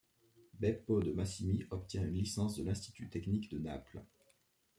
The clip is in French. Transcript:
Beppo de Massimi obtient une licence de l'Institut technique de Naples.